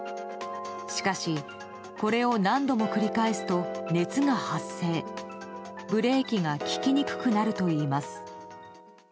しかし、これを何度も繰り返すと熱が発生ブレーキが利きにくくなるといいます。